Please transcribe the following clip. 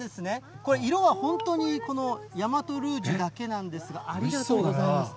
これ、色は本当にこの大和ルージュだけなんですが、ありがとうございます。